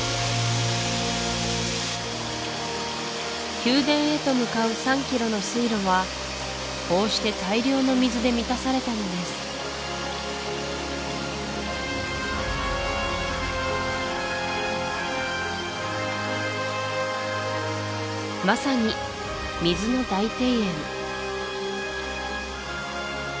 宮殿へと向かう３キロの水路はこうして大量の水で満たされたのですまさに水の大庭園